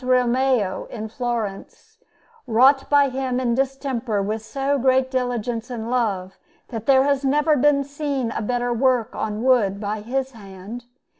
Romeo in Florence, wrought by him in distemper with so great diligence and love that there has never been seen a better work on wood by his hand.